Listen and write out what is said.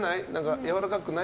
やわらかくない？